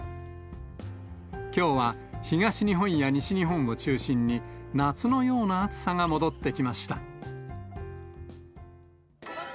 きょうは東日本や西日本を中心に、夏のような暑さが戻ってきました。